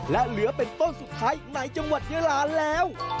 และเหลือเป็นต้นสุดท้ายในจังหวัดยาลาแล้ว